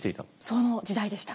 その時代でした。